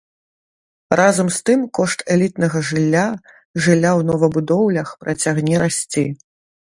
Разам з тым кошт элітнага жылля, жылля ў новабудоўлях працягне расці.